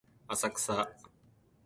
浅草